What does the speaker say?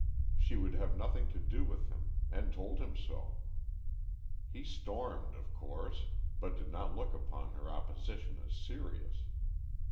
She would have nothing to do with him, and told him so. He stormed, of course, but did not look upon her opposition as serious.